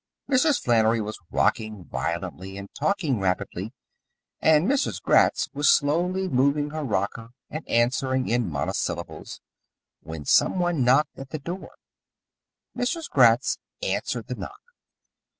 Mrs. Flannery was rocking violently and talking rapidly, and Mrs. Gratz was slowly moving her rocker and answering in monosyllables, when some one knocked at the door. Mrs. Gratz answered the knock.